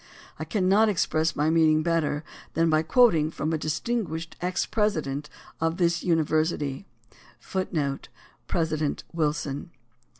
I cannot express my meaning better than by quoting from a distinguished ex president of this university,^ who says * President Wilson.